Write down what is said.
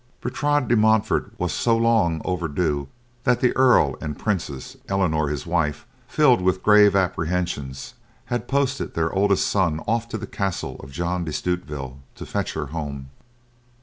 Bertrade de Montfort was so long overdue that the Earl and Princess Eleanor, his wife, filled with grave apprehensions, had posted their oldest son off to the castle of John de Stutevill to fetch her home.